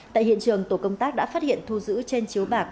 tại hiện trường tổ công tác đã phát hiện thu giữ trên chiếu bạc